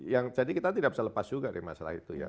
yang jadi kita tidak bisa lepas juga dari masalah itu ya